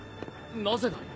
なぜだい？